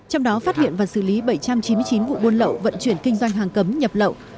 trong đó phát hiện và xử lý bảy trăm chín mươi chín vụ buôn lậu vận chuyển kinh doanh hàng cấm nhập lậu